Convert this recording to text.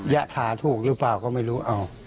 อย่าทาถูกหรือเปล่าเขาไม่รู้